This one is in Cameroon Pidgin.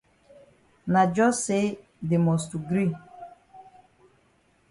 Na jus say dey must to gree.